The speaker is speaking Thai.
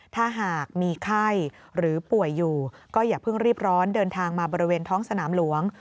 ถ้าหากมีไข้หรือป่วยอยู่ก็อย่าเพิ่งรีบร้อนเดินทางมาบริเวณท้องสนามหลวง